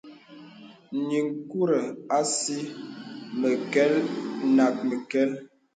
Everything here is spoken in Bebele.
Nyiŋkùrə asì məkɛl nə məkɛl.